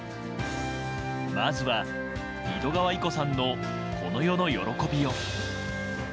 まずは井戸川射子さんの「この世の喜びよ」。